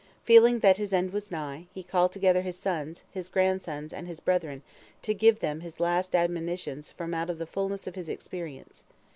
Feeling that his end was nigh, he called together his sons, his grandsons, and his brethren, to give them his last admonitions from out of the fulness of his experience.